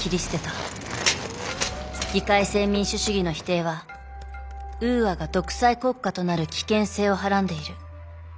議会制民主主義の否定はウーアが独裁国家となる危険性をはらんでいる。